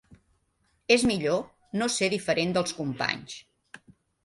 És millor no ser diferent dels companys.